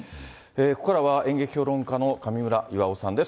ここからは演劇評論家の上村以和於さんです。